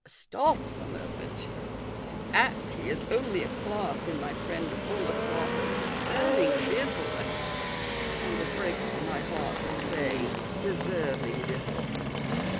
Stop a moment ! And he is only a clerk in my friend Bullock's office, earning little, and, it breaks rny heart to say, deserving little."